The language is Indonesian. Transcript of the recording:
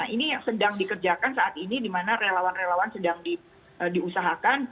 ini yang sedang dikerjakan saat ini di mana relawan relawan sedang diusahakan